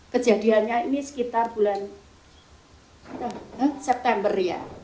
kejadiannya ini sekitar bulan september ya